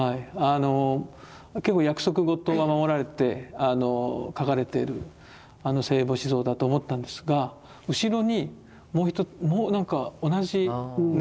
結構約束事が守られて描かれてる聖母子像だと思ったんですが後ろにもう一つなんか同じねありましたでしょ？